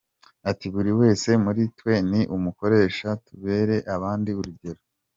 Ati “Buri wese muri twe ni umukoresha, tubere abandi urugero.